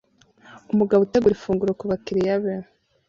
Umugabo utegura ifunguro kubakiriya be